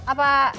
apa saya yang ada